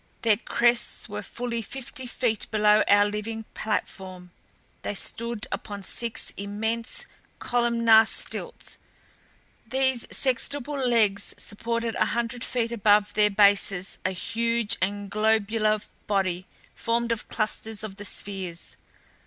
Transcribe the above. Their crests were fully fifty feet below our living platform. They stood upon six immense, columnar stilts. These sextuple legs supported a hundred feet above their bases a huge and globular body formed of clusters of the spheres.